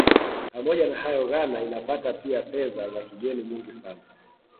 Pamoja na hayo Ghana inapata pia Fedha za kigeni nyingi sana